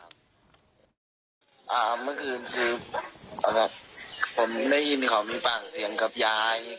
อ่าเมื่อคืนคือผมได้ยินเขามีฝั่งเสียงกับยาย